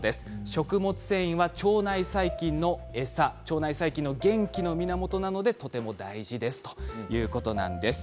食物繊維は、腸内細菌の餌腸内細菌の元気の源なのでとても大事ですということなんです。